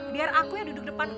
biar aku ya duduk depan